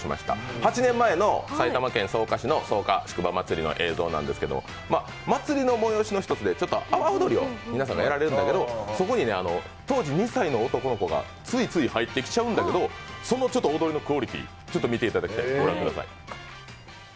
８年前の埼玉県草加市の草加宿場まつりの写真なんですけど祭りの催しの一つで阿波踊りを皆さんがやられるんだけどそこに当時２歳の男の子がついつい入ってきちゃうんだけどそのちょっと踊りのクオリティー見ていただきたいです。